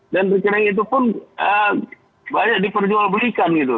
dan rekening itu pun banyak diperjualbelikan gitu